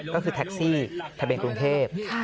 ก็คือแท็กซี่ทะเบียนกรุงเทพ